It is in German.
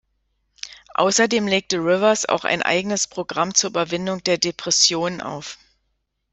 Außerdem legte Rivers auch ein eigenes Programm zur Überwindung der Depression auf.